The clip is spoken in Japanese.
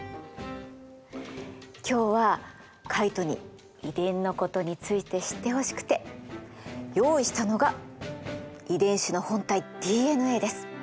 今日はカイトに遺伝のことについて知ってほしくて用意したのが遺伝子の本体ＤＮＡです。